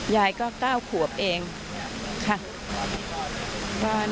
ยายก็เก้าขวบเองค่ะ